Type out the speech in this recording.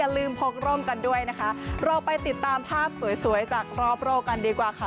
ลืมพกร่มกันด้วยนะคะเราไปติดตามภาพสวยสวยจากรอบโลกกันดีกว่าค่ะ